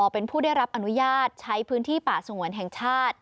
เป็นผู้ได้รับอนุญาตใช้พื้นที่ป่าสงวนแห่งชาติ